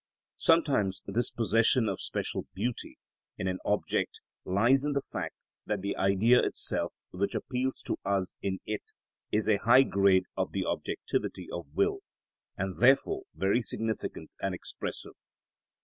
Sometimes this possession of special beauty in an object lies in the fact that the Idea itself which appeals to us in it is a high grade of the objectivity of will, and therefore very significant and expressive.